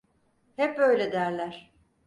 Hep öyle derler.